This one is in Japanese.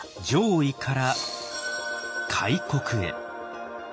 攘夷から開国へ。